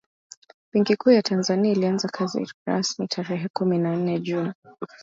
benki kuu ya tanzania ilianza kazi rasmi tarehe kumi na nne juni